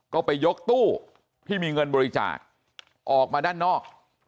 ก็ไปยกตู้ที่มีเงินบริจาคออกมาด้านนอก